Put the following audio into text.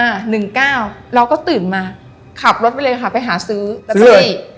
อ่าหนึ่งเก้าเราก็ตื่นมาขับรถไปเลยค่ะไปหาซื้อซื้อเลย